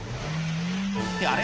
「ってあれ？